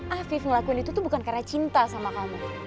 afif ngelakuin itu tuh bukan karena cinta sama kamu